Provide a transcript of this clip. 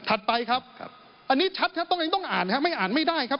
ไปครับอันนี้ชัดครับตัวเองต้องอ่านครับไม่อ่านไม่ได้ครับ